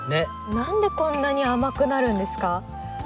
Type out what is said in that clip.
何でこんなに甘くなるんですか？